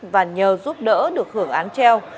và nhờ giúp đỡ được hưởng án treo